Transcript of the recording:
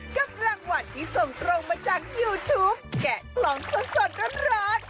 กับรางวัลที่ส่งตรงมาจากยูทูปแกะกล่องสดร้อน